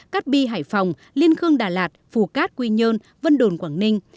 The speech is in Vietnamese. cát bi hải phòng liên khương đà lạt phù cát quy nhơn vân đồn quảng ninh